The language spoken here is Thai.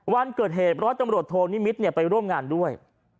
วันเกิดเหตุร้อยตำรวจโทนิมิตรไปร่วมงานด้วย